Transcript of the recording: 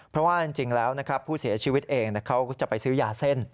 เพราะว่าจริงแล้วนะครับผู้เสียชีวิตเองเขาจะไปซื้อยาเส้น